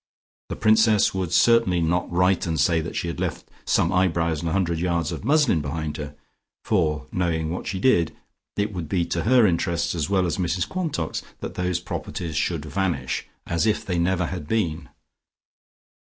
The Princess would certainly not write and say that she had left some eyebrows and a hundred yards of muslin behind her, for, knowing what she did, it would be to her interests as well as Mrs Quantock's that those properties should vanish, as if they never had been.